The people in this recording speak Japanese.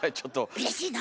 うれしいの？